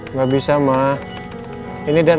nggak bisa mah ini dan